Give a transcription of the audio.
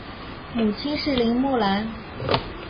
母亲是林慕兰。